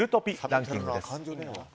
ランキングです。